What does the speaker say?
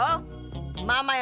oh ini dia